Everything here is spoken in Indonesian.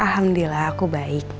alhamdulillah aku baik